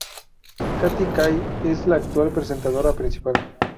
Katty Kay es la actual presentadora principal.